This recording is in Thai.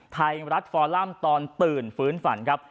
ไทยรัฐฟอลัมตอนตื่นฟื้นฝันครับ